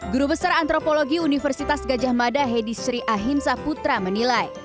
guru besar antropologi universitas gajah mada hedi sri ahin saputra menilai